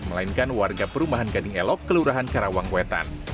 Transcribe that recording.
melainkan warga perumahan gading elok kelurahan karawang wetan